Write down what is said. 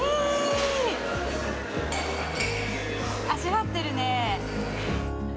味わってるね。